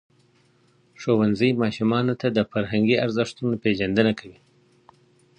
ښوونځی ماشومانو ته د فرهنګي ارزښتونو پېژندنه کوي.